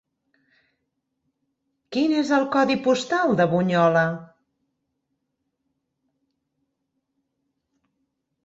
Quin és el codi postal de Bunyola?